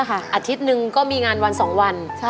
อาทิตย์หนึ่งก็มีงานวัน๒วัน